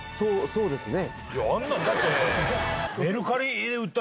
そうですよね。